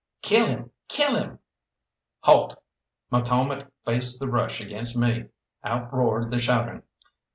"Kill him! kill him!" "Halt!" McCalmont faced the rush against me outroared the shouting.